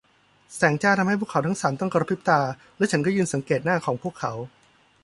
แสงจ้าทำให้พวกเขาทั้งสามต้องกระพริบตา และฉันก็ยืนสังเกตหน้าของพวกเขา